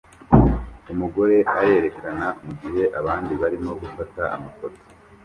Umugore arerekana mugihe abandi barimo gufata amafoto